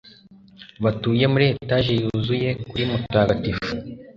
Batuye muri etage yuzuye kuri Mutagatifu